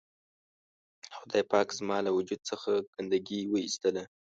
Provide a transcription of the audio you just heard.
خدای پاک زما له وجود څخه ګندګي و اېستله.